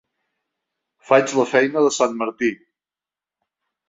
Faig la feina de sant Martí.